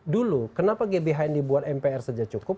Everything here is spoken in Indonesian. dulu kenapa gbhn dibuat mpr saja cukup